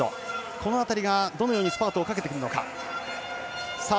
この辺りがどのようにスパートをかけてくるのか。